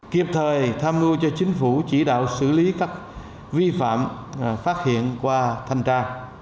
kiếp thời tham ngư cho chính phủ chỉ đạo xử lý các vi phạm phát hiện qua thanh tra